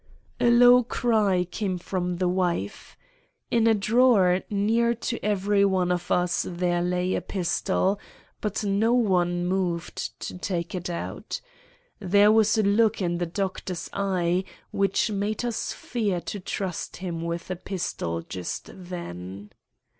A low cry came from the wife. In a drawer near to every one of us there lay a pistol, but no one moved to take it out. There was a look in the Doctor's eye which made us fear to trust him with a pistol just then.